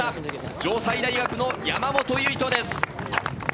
城西大学の山本唯翔です。